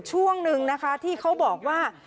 ช่วงนึงนะคะที่เขาบอกว่า